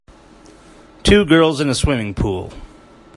Two girls in a swimming pool.